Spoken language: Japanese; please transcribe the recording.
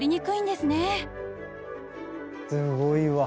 すごいわ。